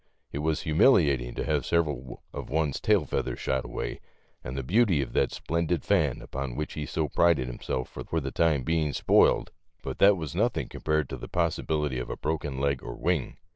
It was humiliating to have several of one's tail feathers shot away, and the beauty of that splendid fan upon which he so prided himself for the time being spoiled, but that was 120 THE LITTLE FORESTERS. nothing to the possibility of a broken leg or wing.